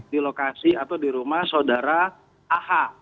di lokasi atau di rumah saudara ah